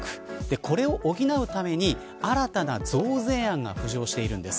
これを補うために新たな増税案が浮上しているんです。